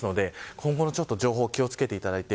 今後の情報に気を付けてください。